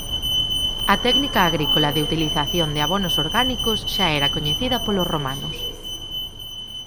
A técnica agrícola de utilización de abonos orgánicos xa era coñecida polos romanos.